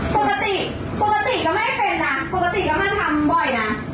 ปกติปกติก็ไม่เป็นนะปกติก็ไม่ทำบ่อยนะ